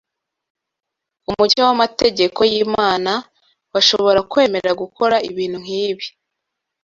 umucyo w’amategeko y’Imana, bashobora kwemera gukora ibintu nk’ibi